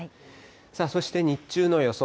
さあ、そして日中の予想